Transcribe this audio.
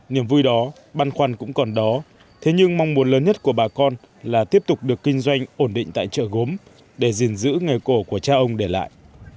niềm vui đó băn khoăn cũng còn đó thế nhưng mong muốn lớn nhất của bà con là tiếp tục được kinh doanh ổn định tại chợ gốm để gìn giữ nghề cổ của cha ông để lại